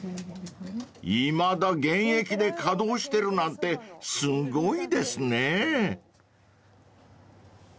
［いまだ現役で稼働してるなんてすごいですね］